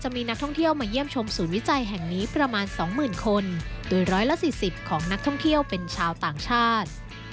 โดยทุกปีจะมีนักท่องเที่ยวมาเยี่ยมชมศูนย์วิจัยแห่งนี้ประมาณสองหมื่นคนโดยร้อยละสี่สิบของนักท่องเที่ยวเป็นชาวต่างชาติ